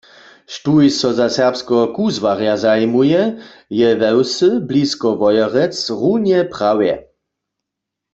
Štóž so za serbskeho kuzłarja zajimuje, je we wsy blisko Wojerec runje prawje.